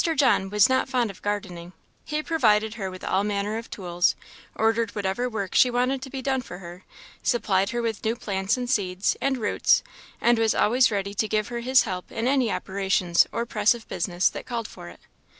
John was not fond of gardening; he provided her with all manner of tools, ordered whatever work she wanted to be done for her, supplied her with new plants and seeds, and roots, and was always ready to give her his help in any operations or press of business that called for it.